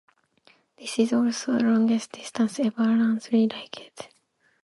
This is also the longest distance ever ran three-legged.